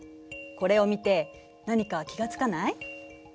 これを見て何か気が付かない？